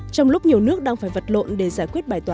trong lúc nhiều nước đang phải vật lộn để giải quyết bài toán